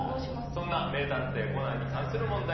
そんな『名探偵コナン』に関する問題